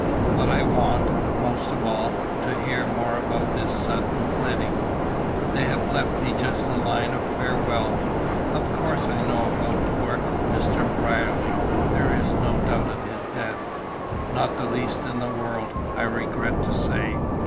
But I want, most of all, to hear more about this sudden flitting. They have left me just a line of farewell. Of course I know about poor Mr. Brierly. There's no doubt of his death." "Not the least in the world, I regret to say."